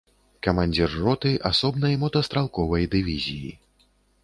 Камандзір роты асобнай мотастралковай дывізіі.